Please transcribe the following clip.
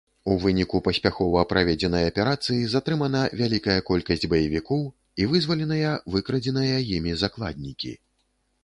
У выніку паспяхова праведзенай аперацыі затрымана вялікая колькасць баевікоў і вызваленыя выкрадзеныя імі закладнікі.